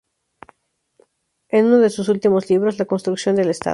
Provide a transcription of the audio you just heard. En uno de sus últimos libros, "La construcción del Estado.